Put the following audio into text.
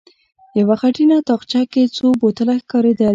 په يوه خټينه تاخچه کې څو بوتله ښکارېدل.